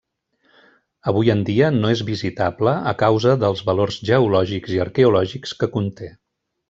Avui en dia no és visitable a causa dels valors geològics i arqueològics que conté.